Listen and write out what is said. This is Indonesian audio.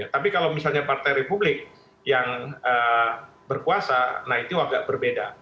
tapi kalau misalnya partai republik yang berkuasa nah itu agak berbeda